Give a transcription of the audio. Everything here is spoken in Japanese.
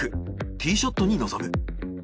ティショットに臨む。